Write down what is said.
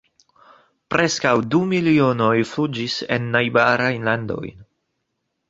Preskaŭ du milionoj fuĝis en najbarajn landojn.